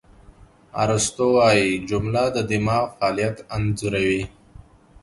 ارسطو وایي، جمله د دماغ فعالیت انځوروي.